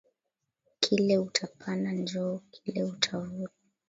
Kile uta panda njo kile uta vuna